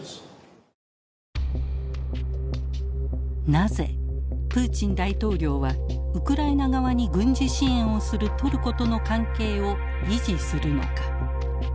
なぜプーチン大統領はウクライナ側に軍事支援をするトルコとの関係を維持するのか。